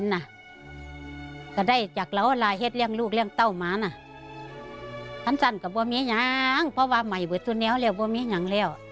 ให้พระเรียนถึงความสะสมเกี่ยวในสบาลรึ่งมาก